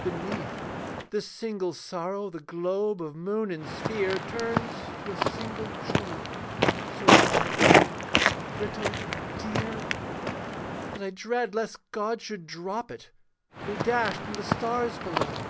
Beneath this single sorrow the globe of moon and sphere Turns to a single jewel, so bright and brittle and dear That I dread lest God should drop it, to be dashed into stars below.